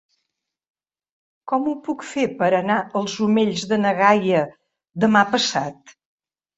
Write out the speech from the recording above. Com ho puc fer per anar als Omells de na Gaia demà passat?